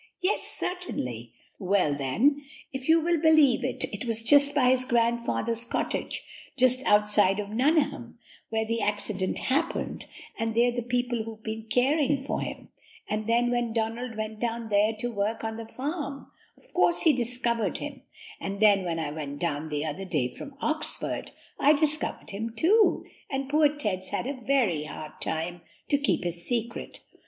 "Yes, certainly." "Well, then, if you will believe it, it was just by his grandfather's cottage, just outside of Nuneham, where the accident happened, and they're the people who've been caring for him; and then when Donald went down there to work on the farm, of course he discovered him; and then when I went down the other day from Oxford, I discovered him too, and poor Ted's had a very hard time to keep his secret."